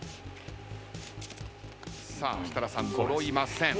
さあ設楽さん揃いません。